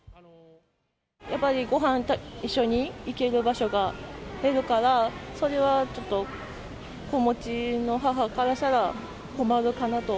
やっぱりごはん一緒に行ける場所が減るから、それはちょっと子持ちの母からしたら、困るかなと。